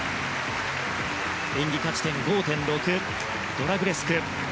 演技価値点５．６のドラグレスク。